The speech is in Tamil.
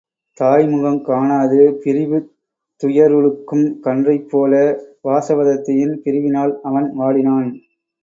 தாய்முகங் காணாது பிரிவுத் துயருழக்கும் கன்றைப்போல வாசவதத்தையின் பிரிவினால் அவன் வாடினான்.